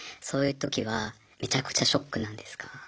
そういうときはめちゃくちゃショックなんですか？